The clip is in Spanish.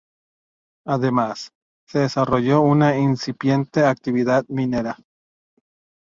Además, se desarrolló una incipiente actividad minera.